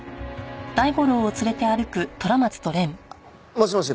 もしもし？